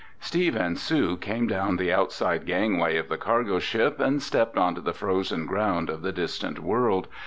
Steve and Sue came down the outside "gangway" of the cargo ship and stepped onto the frozen ground of the distant world.